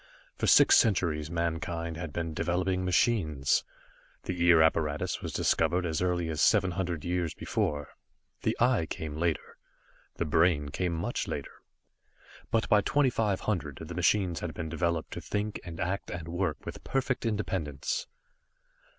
For six centuries mankind had been developing machines. The Ear apparatus was discovered as early as seven hundred years before. The Eye came later, the Brain came much later. But by 2500, the machines had been developed to think, and act and work with perfect independence.